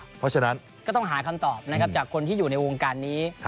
เพราะฉะนั้นก็ต้องหาคำตอบนะครับจากคนที่อยู่ในวงการนี้